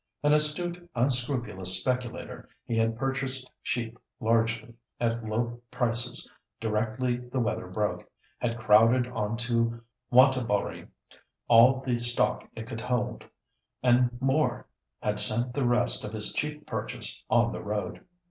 An astute, unscrupulous speculator, he had purchased sheep largely, at low prices, directly the weather broke, had crowded on to Wantabalree all the stock it could hold—and more, had sent the rest of his cheap purchase "on the road."